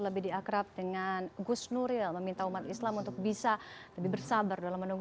lebih diakrab dengan gus nuril meminta umat islam untuk bisa lebih bersabar dalam menunggu